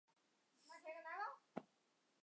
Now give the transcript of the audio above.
勒阿弗尔站南侧设有社会车辆停车场。